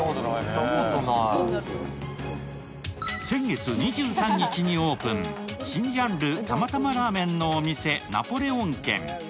先月２３日にオープン、新ジャンル釜玉ラーメンのお店ナポレオン軒。